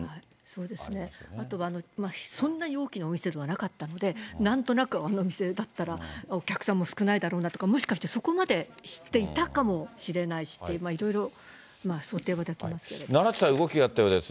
そうですよね、そんな大きなお店ではなかったので、なんとなくあのお店だったらお客さんも少ないだろうなとか、もしかしたらそこまで知っていたかもしれないしって、いろいろ、奈良地裁、動きがあったようです。